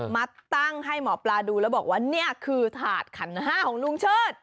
มาตั้งให้หมอปลาดูแล้วบอกว่านี่คือถาดขันห้าของลุงเชิด